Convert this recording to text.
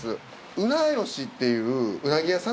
うなよしっていううなぎ屋さん